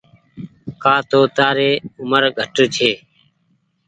ڪآ تو تآري اومر گھٽ ڇي۔